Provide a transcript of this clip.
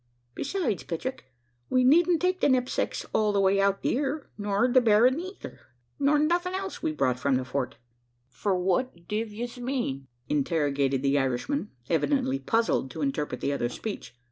Besides, Petrick, we needn't take the knepsacks all the way out theer, nor the berra neythur, nor nuthin' else we've brought from the Fort." "Fwhat div yez mane?" interrogated the Irishman evidently puzzled to interpret the other's speech.